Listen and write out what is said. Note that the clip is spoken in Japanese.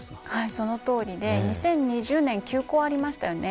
そのとおりで２０２０年休校もありましたよね。